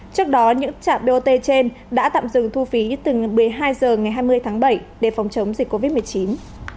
trước đó những trạm bot trên đã tạm dừng thu phí từ một mươi hai h ngày hai mươi tháng bảy để phòng chống dịch covid một mươi chín